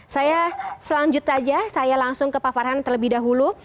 saya selanjut saja saya langsung ke pak farhan terlebih dahulu